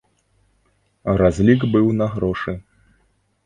Разлік быў на грошы.